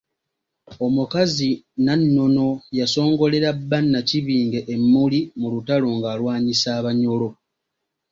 Omukazi Nannono yasongolera bba Nakibinge emmuli mu lutalo ng’alwanyisa abanyolo.